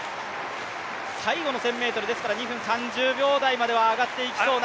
最後の１０００ｍ、２分３０秒台ぐらいまでは上がっていきそうな。